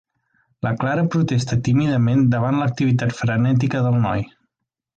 La Clara protesta tímidament davant l'activitat frenètica del noi.